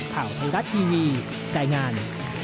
ขอบคุณครับที่มีใจงาน